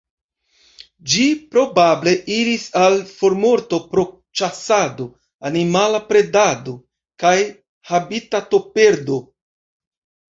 Ĝi probable iris al formorto pro ĉasado, animala predado, kaj habitatoperdo.